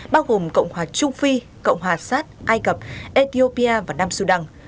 bao gồm cộng hòa trung phi cộng hòa sát ai cập ethiopia và nam sudan